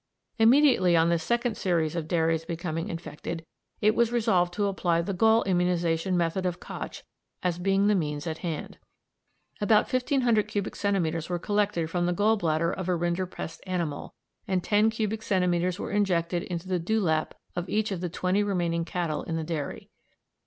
"Immediately on this second series of dairies becoming infected it was resolved to apply the gall immunisation method of Koch as being the means at hand. About 1,500 cubic centimetres were collected from the gall bladder of a rinderpest animal, and 10 cubic centimetres were injected into the dewlap of each of the twenty remaining cattle in the dairy.